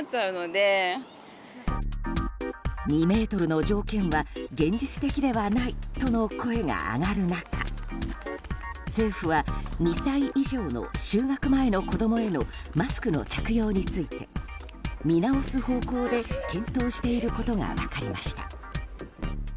２ｍの条件は現実的ではないとの声が上がる中政府は２歳以上の就学前の子供へのマスクの着用について見直す方向で検討していることが分かりました。